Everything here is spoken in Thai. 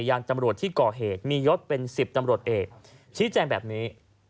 ยังตำรวจที่ก่อเหตุมียศเป็น๑๐ตำรวจเอกชี้แจงแบบนี้